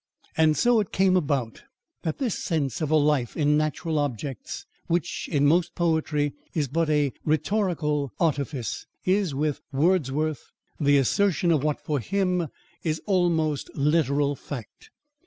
* And so it came about that this sense of a life in natural objects, which in most poetry is but a rhetorical artifice, is with Wordsworth the assertion of what for him is almost literal fact.